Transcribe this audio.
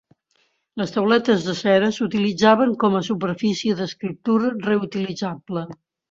Les tauletes de cera s'utilitzaven com a superfície d'escriptura reutilitzable.